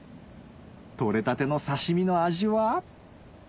取れたての刺し身の味は？